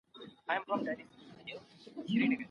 باران ورو ورو اوري